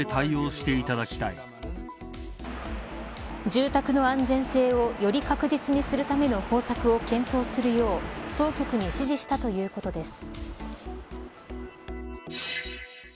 住宅の安全性をより確実にするための方策を検討するよう当局に指示したということです。